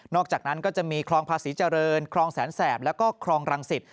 อกจากนั้นก็จะมีคลองภาษีเจริญคลองแสนแสบแล้วก็คลองรังสิต